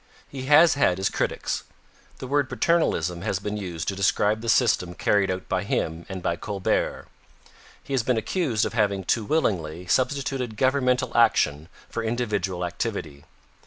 He has had his critics. The word paternalism has been used to describe the system carried out by him and by Colbert. He has been accused of having too willingly substituted governmental action for individual activity.